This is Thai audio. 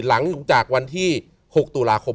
หลังจากวันที่๖ตุลาคม